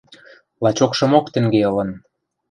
Лачокшымок тӹнге ылын.